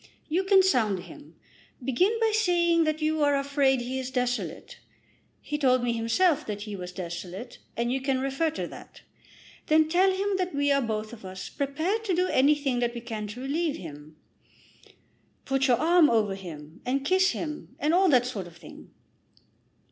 "You can sound him. Begin by saying that you are afraid he is desolate. He told me himself that he was desolate, and you can refer to that. Then tell him that we are both of us prepared to do anything that we can to relieve him. Put your arm over him, and kiss him, and all that sort of thing."